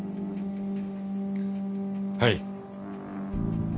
はい。